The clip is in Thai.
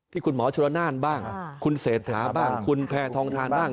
คุณหมอชนละนานบ้างคุณเศรษฐาบ้างคุณแพทองทานบ้าง